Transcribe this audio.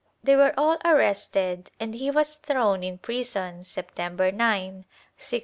They were all arrested and he was thrown in prison September 9, 1649.